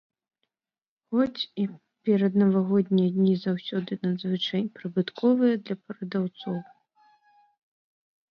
Хоць і пераднавагоднія дні заўсёды надзвычай прыбытковыя для прадаўцоў.